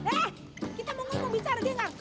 eh kita mau ngomong bicara dengar